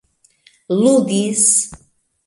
ludis